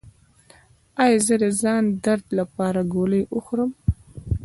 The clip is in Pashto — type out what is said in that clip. ایا زه د ځان درد لپاره ګولۍ وخورم؟